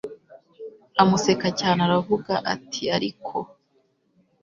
amuseka cyane aravuga atiariko